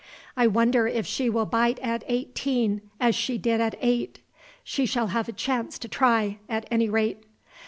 "I wonder if she will bite at eighteen as she did at eight! She shall have a chance to try, at any rate!"